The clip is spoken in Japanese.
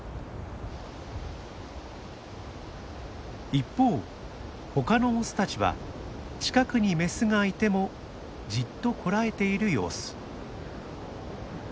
一方他のオスたちは近くにメスがいてもじっとこらえている様子。